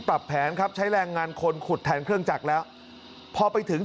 ปรับแผนครับใช้แรงงานคนขุดแทนเครื่องจักรแล้วพอไปถึง